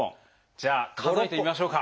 じゃあ数えてみましょうか。